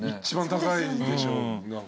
一番高いでしょ。